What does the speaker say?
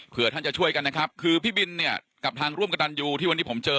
เพื่อท่านจะช่วยกันนะครับคือพี่บินเนี่ยกับทางร่วมกับตันยูที่วันนี้ผมเจอ